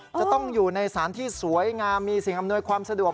จะต้องอยู่ในสารที่สวยงามมีสิ่งอำนวยความสะดวก